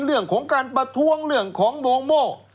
เรื่องของการประท้วงเรื่องของโมโม่